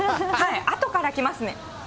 あとから来ますね。